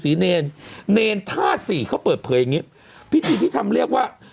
เนรเนรท่าสี่เขาเปิดเผยอย่างงี้พิธีที่ทำเรียกว่า